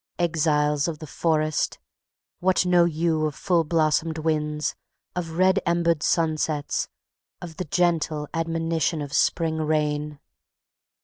Exiles of the forest! what know you of full blossomed winds, of red embered sunsets, of the gentle admonition of spring rain!